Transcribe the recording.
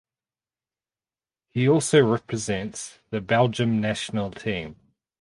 He also represents the Belgium national team.